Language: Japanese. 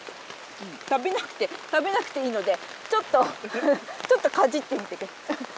食べなくていいのでちょっとちょっとかじってみて下さい。